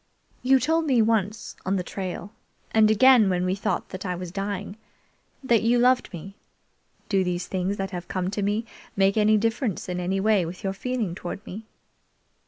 "You told me once on the trail, and again when we thought that I was dying, that you loved me. Do these things that have come to me make any difference in any way with your feeing toward me?"